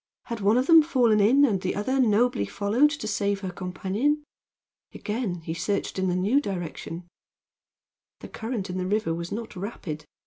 Had one of them fallen in, and the other nobly followed to save her companion? Again he searched in the new direction. The current in the river was not rapid.